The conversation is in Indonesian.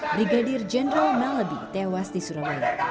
brigadir general malabi tewas di surabaya